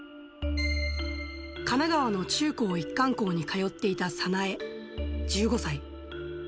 神奈川の中高一貫校に通っていたサナエ１５歳。